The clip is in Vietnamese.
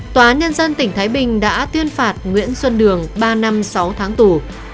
tòa án nhân dân tỉnh thái bình đã tuyên phạt nguyễn xuân đường ba năm sáu tháng tù